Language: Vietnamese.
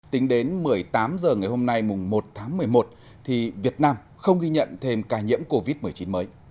tính đến một mươi tám h ngày hôm nay mùng một tháng một mươi một thì việt nam không ghi nhận thêm ca nhiễm covid một mươi chín mới